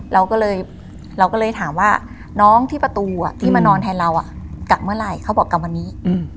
เราก็เลยเราก็เลยถามว่าน้องที่ประตูที่มานอนแทนเรากลับเมื่อไหร่เขาบอกกลับวันนี้